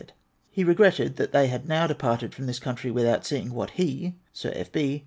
He regretted that they had now departed from this country witliout seeing what he (Sir F. B.)